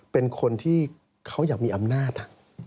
เป็นคนที่เขาอยากมีอำนาจ